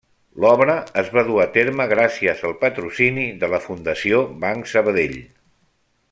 L'obra es va dur a terme gràcies al patrocini de la Fundació Banc Sabadell.